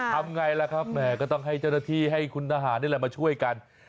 ทำไงล่ะครับแหมก็ต้องให้เจ้าหน้าที่ให้คุณทหารนี่แหละมาช่วยกัน